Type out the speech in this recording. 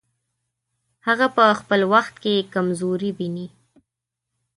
هغه په خپل وخت کې کمزوري وویني.